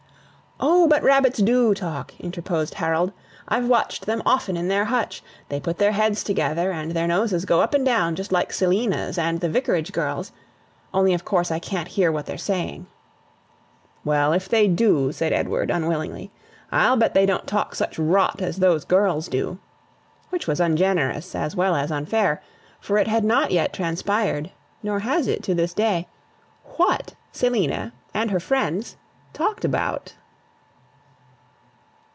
"O but rabbits DO talk," interposed Harold. "I've watched them often in their hutch. They put their heads together and their noses go up and down, just like Selina's and the Vicarage girls'. Only of course I can t hear what they're saying." "Well, if they do," said Edward, unwillingly, "I'll bet they don't talk such rot as those girls do!" which was ungenerous, as well as unfair; for it had not yet transpired nor has it to this day WHAT Selina and her friends talked about.